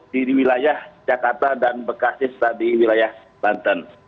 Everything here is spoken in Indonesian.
di wilayah jakarta dan bekasi di wilayah banten